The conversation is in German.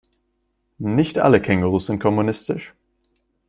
Nicht alle Kängurus sind kommunistisch.